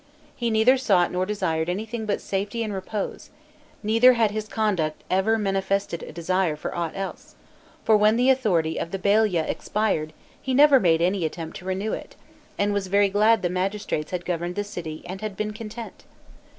He neither sought nor desired anything but safety and repose; neither had his conduct ever manifested a desire for ought else; for when the authority of the Balia expired, he never made any attempt to renew it, and was very glad the magistrates had governed the city and had been content.